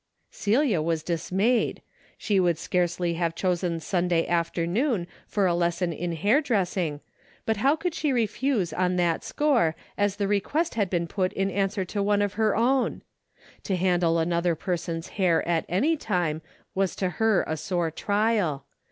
Celia was dismayed. She would scarcely 278 A DAILY bate:' have chosen Sunday afternoon for a lesson in hair dressing, but how could she refuse on that score, as the request had been put in answer to one of her own ? To handle another person's hair at any time was to her a sore trial.